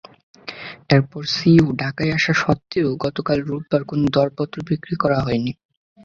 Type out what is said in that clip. এরপর সিইও ঢাকায় আসা সত্ত্বেও গতকাল রোববার কোনো দরপত্র বিক্রি করা হয়নি।